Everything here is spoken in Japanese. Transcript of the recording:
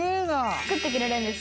「作ってくれるんです」